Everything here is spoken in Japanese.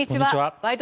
「ワイド！